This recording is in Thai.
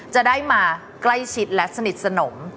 จะได้มาใกล้ชิดและสนิทสนม